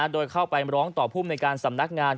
โดยเข้าไปร้องต่อภูมิในการสำนักงาน